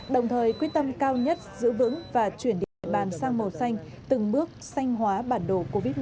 đồng thời quyết tâm cao nhất giữ vững và chuyển địa bàn sang màu xanh từng bước xanh hóa bản đồ covid một mươi chín